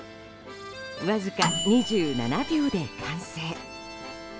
わずか２７秒で完成。